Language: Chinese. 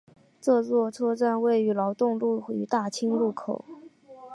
这座车站位于劳动路与大庆路口。